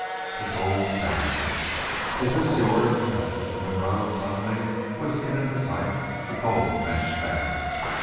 THE GOLD BAG "Is this yours?" asked Mr. Monroe, suddenly whisking into sight the gold mesh bag.